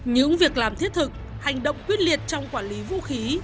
những việc làm thiết thực hành động quyết liệt trong quản lý vũ khí và liệu nổ công cụ hỗ trợ